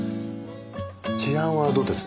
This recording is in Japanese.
治安はどうです？